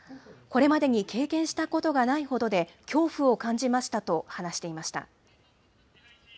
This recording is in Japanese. これまでに経験したことがないほどで、恐怖を感じましたと話していました。